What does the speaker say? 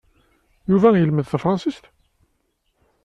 Yuba yelmed tafransist?